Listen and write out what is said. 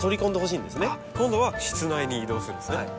今度は室内に移動するんですね。